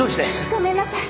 ごめんなさい。